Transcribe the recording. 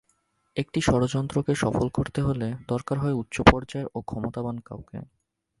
একটি ষড়যন্ত্রকে সফল করতে হলে দরকার হয় উচ্চপর্যায়ের ও ক্ষমতাবান কাউকে।